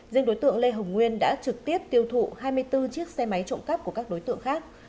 riêng đối tượng lê hồng nguyên đã trực tiếp tiêu thụ hai mươi bốn chiếc xe máy trộm cắp của các đối tượng khác